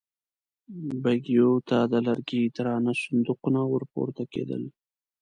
بګيو ته د لرګي درانه صندوقونه ور پورته کېدل.